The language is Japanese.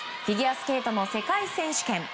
フィギュアスケートの世界選手権。